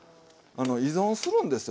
依存するんですよ